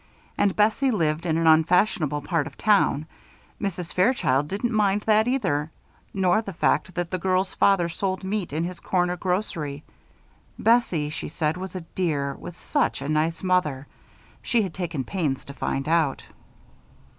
And Bessie lived in an unfashionable part of town. Mrs. Fairchild didn't mind that, either; nor the fact that the girl's father sold meat in his corner grocery. Bessie, she said, was a dear, with such a nice mother. She had taken pains to find out.